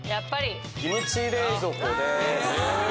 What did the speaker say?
キムチ冷蔵庫です。